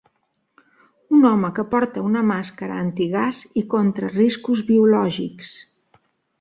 Un home que porta una màscara antigàs i contra riscos biològics